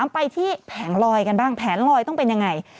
ไปที่แผงลอยกันบ้างแผงลอยต้องเป็นยังไง